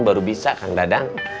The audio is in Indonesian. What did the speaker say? baru bisa kang dadang